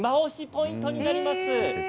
ポイントになります。